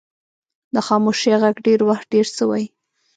د خاموشۍ ږغ ډېر وخت ډیر څه وایي.